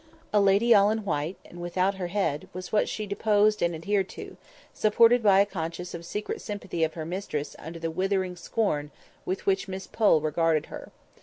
A lady all in white, and without her head, was what she deposed and adhered to, supported by a consciousness of the secret sympathy of her mistress under the withering scorn with which Miss Pole regarded her.